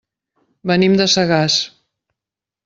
Venim de Sagàs.